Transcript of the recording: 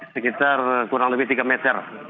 sekitar kurang lebih tiga meter